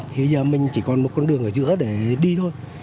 thì bây giờ mình chỉ còn một con đường ở giữa để đi thôi